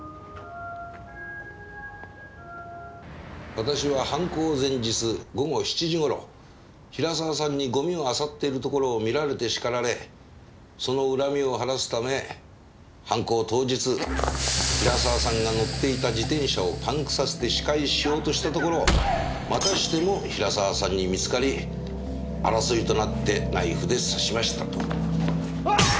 「私は犯行前日午後７時頃比良沢さんにゴミをあさっているところを見られて叱られその恨みを晴らすため犯行当日比良沢さんが乗っていた自転車をパンクさせて仕返ししようとしたところをまたしても比良沢さんに見つかり争いとなってナイフで刺しました」と。